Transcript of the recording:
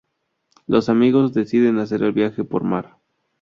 Los amigos deciden hacer el viaje por mar.